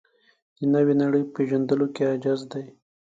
د نوې نړۍ په پېژندلو کې عاجز دی.